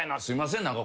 すいません。